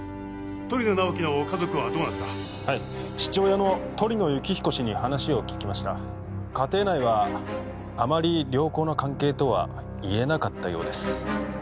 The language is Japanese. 鳥野直木の家族はどうなったはい父親の鳥野幸彦氏に話を聞きました家庭内はあまり良好な関係とはいえなかったようです